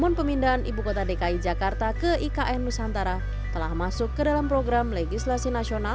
tidak ada waktu berapa lama